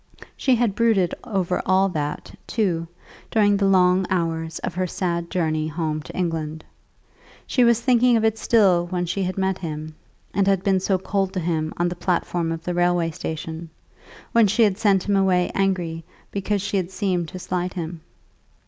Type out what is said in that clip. She had brooded over all that, too, during the long hours of her sad journey home to England. She was thinking of it still when she had met him, and had been so cold to him on the platform of the railway station, when she had sent him away angry because she had seemed to slight him.